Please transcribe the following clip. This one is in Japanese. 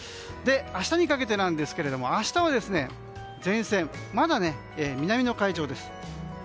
明日にかけてですが明日は、前線まだ南の海上です。